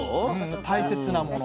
大切なもの？